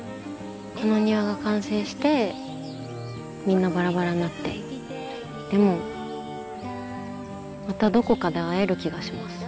この庭が完成してみんなバラバラになってでもまたどこかで会える気がします。